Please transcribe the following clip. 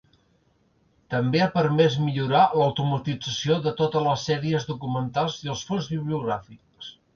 També ha permès millorar l'automatització de totes les sèries documentals i els fons bibliogràfics.